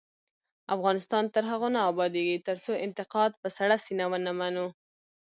افغانستان تر هغو نه ابادیږي، ترڅو انتقاد په سړه سینه ونه منو.